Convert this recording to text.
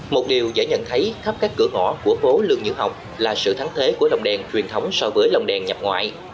một điều dễ nhận thấy khắp các cửa ngõ của phố lương nhữ học là sự thắng thế của lồng đèn truyền thống so với lồng đèn nhập ngoại